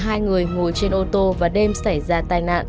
đã xác định quân và hai người ngồi trên ô tô và đêm xảy ra tai nạn